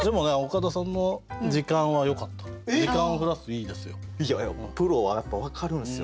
いやプロはやっぱ分かるんすよ。